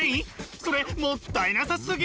それもったいなさすぎ！